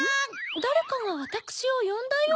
だれかがわたくしをよんだような。